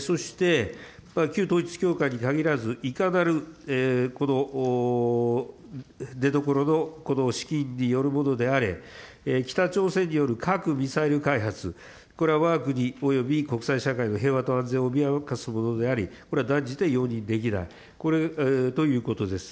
そして旧統一教会にかぎらず、いかなるこの出どころの、この資金によるものであれ、北朝鮮による核・ミサイル開発、これはわが国および国際社会の平和と安全を脅かすものであり、これは断じて容認できないということです。